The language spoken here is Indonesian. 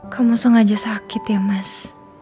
kamu sengaja sakit ya mas